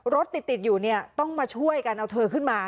รถติดอยู่เนี่ยต้องมาช่วยกันเอาเธอขึ้นมา